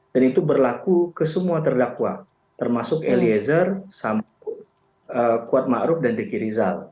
dan itu berlaku ke semua terdakwa termasuk eliezer samud kuatma'ruf dan dekirizal